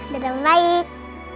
dadah om baik